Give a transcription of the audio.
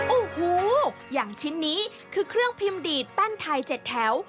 โอ้โหอย่างชิ้นนี้คือเครื่องพิมพ์ดีดแป้นไทย๗แถว